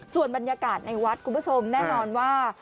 ส่วนบรรยากาศในวัดคุณผู้ชมแน่นอนว่า